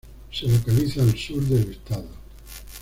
Se localiza al sur del estado.